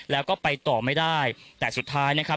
แล้วก็ไปต่อไม่ได้แต่สุดท้ายนะครับ